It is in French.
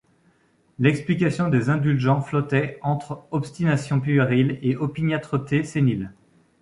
L’explication des indulgents flottait entre obstination puérile et opiniâtreté sénile.